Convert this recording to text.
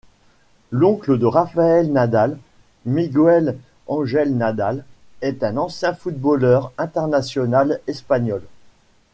L'oncle de Rafael Nadal, Miguel Ángel Nadal, est un ancien footballeur international espagnol.